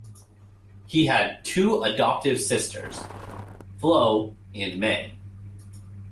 He had two adoptive sisters, Flo and May.